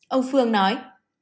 ông phương nói